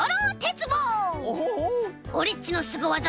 オレっちのすごわざ